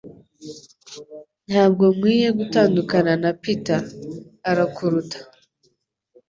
Ntabwo nkwiye gutandukana na Peter - arakuruta